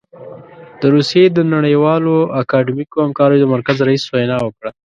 د روسيې د نړیوالو اکاډمیکو همکاریو د مرکز رییس وینا وکړه.